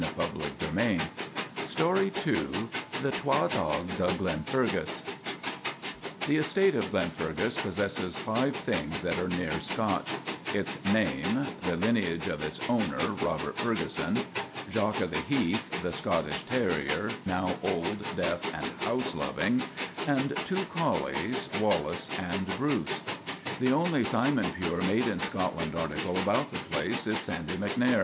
THE TWA DOGS O' GLENFERGUS THE TWA DOGS O' GLENFERGUS THE estate of Glenfergus possesses five things that are near Scotch : its name ; the lineage of its owner, Robert Ferguson; Jock o' the Heath, the Scottish terrier, now old, deaf, and house loving; and two collies, Wallace and Bruce. The only Si mon pure, made in Scotland article about the place is Sandy MacNair.